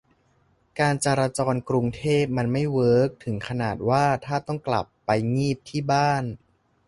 การจราจรกรุงเทพมันไม่เวิร์คถึงขนาดว่าถ้าต้องกลับไปงีบที่บ้าน